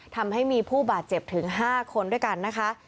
ทำให้มีผู้บาดเจ็บถึง๕คนด้วยกันนะคะ